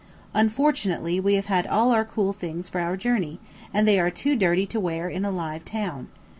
Unfortunately we have had all our cool things for our journey, and they are too dirty to wear in a "live" town.